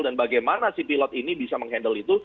dan bagaimana si pilot ini bisa menghandle itu